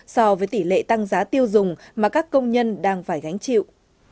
so với tỷ lệ tăng giá tiêu dùng mà các công nhân đang phải gánh chịu